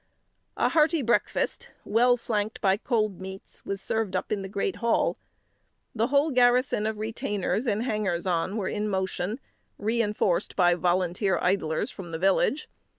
A hearty breakfast, well flanked by cold meats, was served up in the great hall. The whole garrison of retainers and hangers on were in motion, reinforced by volunteer idlers from the village.